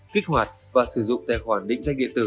kích hoạt và sử dụng tài khoản định danh điện tử